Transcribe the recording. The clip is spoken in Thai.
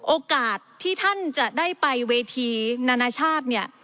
โอกาสที่ท่านจะได้ไปเวทีนานาชาติเนี่ย